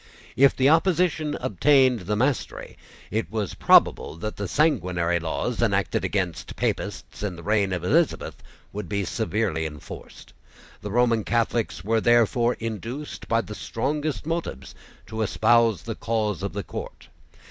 If the opposition obtained the mastery, it was probable that the sanguinary laws enacted against Papists in the reign of Elizabeth, would be severely enforced. The Roman Catholics were therefore induced by the strongest motives to espouse the cause of the court.